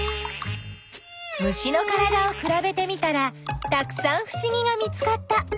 虫のからだをくらべてみたらたくさんふしぎが見つかった。